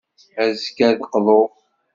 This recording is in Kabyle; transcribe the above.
Azekka, ad d-qḍuɣ.